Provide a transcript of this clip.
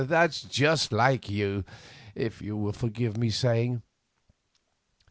that's just like you, if you will forgive my saying so.